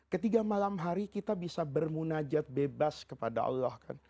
ketika malam hari kita bisa bermunajat bebas kepada allah kan